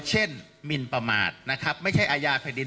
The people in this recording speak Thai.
เช่นมิลประมาทนะครับไม่ใช่อายาภัยดิน